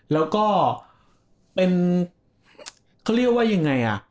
แล้วก็เป็นเขาเรียกว่ายังไงอ่ะ